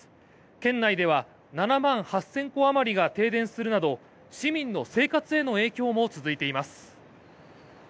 県内では７万８０００戸あまりが停電するなど市民の生活への影響も続いています。